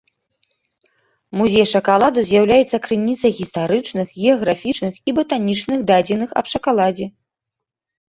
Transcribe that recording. Музей шакаладу з'яўляецца крыніцай гістарычных, геаграфічных і батанічных дадзеных аб шакаладзе.